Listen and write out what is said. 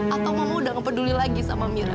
atau mama udah gak peduli lagi sama mirna